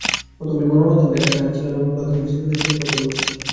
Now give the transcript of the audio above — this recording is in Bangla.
কতগুলো গণমাধ্যমে দেখাচ্ছে, আমি ছিলাম এবং প্রধান বিচারপতির সঙ্গে কথা বলেছি।